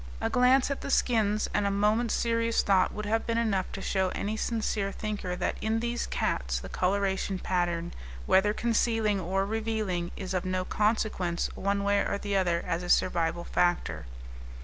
A glance at the skins and a moment's serious thought would have been enough to show any sincere thinker that in these cats the coloration pattern, whether concealing or revealing, is of no consequence one way or the other as a survival factor.